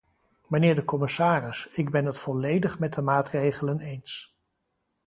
Mijnheer de commissaris, ik ben het volledig met de maatregelen eens.